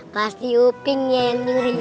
pasti uping yang nyuri ya